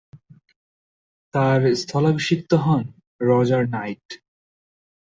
তার স্থলাভিষিক্ত হন রজার নাইট।